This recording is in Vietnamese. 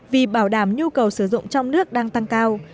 vì bảo đảm nhu cầu sử dụng trong nước đang tăng cao